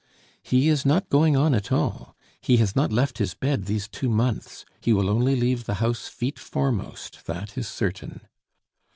"He is not going on at all; he has not left his bed these two months. He will only leave the house feet foremost, that is certain."